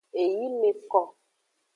Eyi me ko.